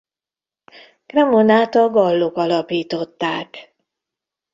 Cremonát a gallok alapították.